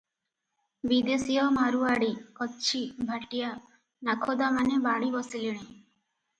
ବିଦେଶୀୟ ମାରୁଆଡି, କଚ୍ଛୀ, ଭାଟିଆ, ନାଖୋଦାମାନେ ମାଡ଼ି ବସିଲେଣି ।